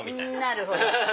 なるほど。